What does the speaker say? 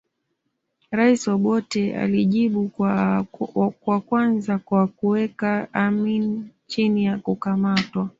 Rais Obote alijibu kwa kwanza kwa kuweka Amin chini ya kukamatwa